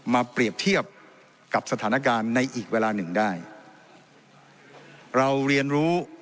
เปรียบเทียบกับสถานการณ์ในอีกเวลาหนึ่งได้เราเรียนรู้